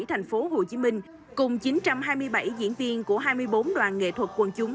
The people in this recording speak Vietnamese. thành phố hồ chí minh cùng chín trăm hai mươi bảy diễn viên của hai mươi bốn đoàn nghệ thuật quần chúng